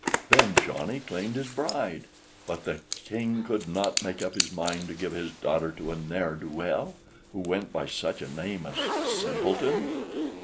Then Johnny claimed his bride, but the King could not make up his mind to give his daughter to "a ne'er do weel" who went by such a name as "Simpleton."